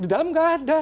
di dalam enggak ada